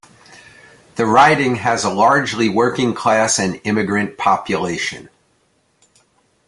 The riding has a largely working class and immigrant population.